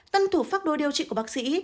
tân thủ pháp đôi điều trị của bác sĩ